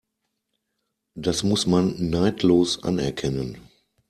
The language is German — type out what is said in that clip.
Das muss man neidlos anerkennen.